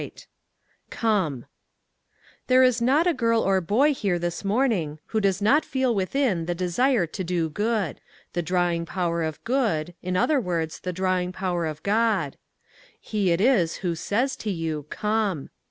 "_ COME There is not a girl or boy here this morning who does not feel within the desire to do good. The drawing power of good in other words, the drawing power of God. He it is who says to you, "Come."